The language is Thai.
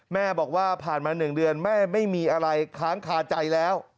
แม่บอกว่าผ่านมา๑เดือนแม่ไม่มีอะไรค้างคาใจแล้ว